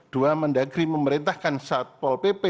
dua mendagri memerintahkan satpol pp